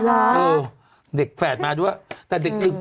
เออเด็กแฝดมาด้วย